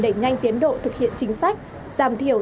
đẩy nhanh tiến độ thực hiện chính sách giảm thiểu